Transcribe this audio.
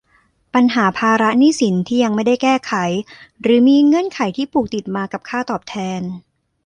ปัญหาภาระหนี้สินที่ยังไม่ได้แก้ไขหรือมีเงื่อนไขที่ผูกติดมากับค่าตอบแทน